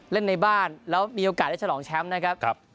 เล่นในบ้านแล้วมีโอกาสได้ฉลองแชมป์นะครับ